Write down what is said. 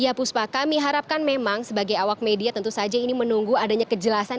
ya puspa kami harapkan memang sebagai awak media tentu saja ini menunggu adanya kejelasan